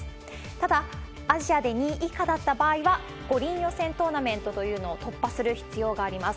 ただ、アジアで２位以下だった場合は、五輪予選トーナメントというのを突破する必要があります。